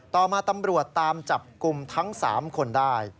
ต่อมาตำรวจตามจับกลุ่มทั้ง๓คนได้